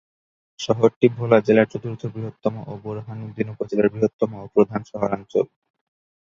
শহরটি ভোলা জেলার চতুর্থ বৃহত্তম ও বোরহানউদ্দিন উপজেলার বৃহত্তম এবং প্রধান শহরাঞ্চল।